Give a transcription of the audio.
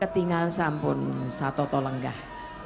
ketinggalan sampun satu tolenggah